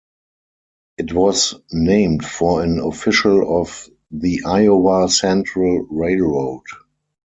It was named for an official of the Iowa Central Railroad.